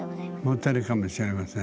モテるかもしれませんね。